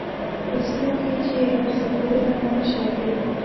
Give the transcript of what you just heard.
په اصطلاح کې چې یې هر څه بولئ همغه شی دی.